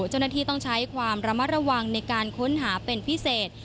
เจ้าหน้าที่ต้องใช้ความระมัดระวังในการค้นหาเป็นพิเศษ